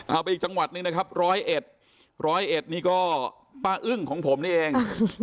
ไปอีกจังหวัดหนึ่งนะครับร้อยเอ็ดร้อยเอ็ดนี่ก็ป้าอึ้งของผมนี่เอง